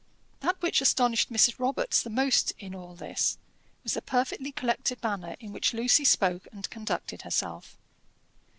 That which astonished Mrs. Robarts the most in all this was the perfectly collected manner in which Lucy spoke and conducted herself.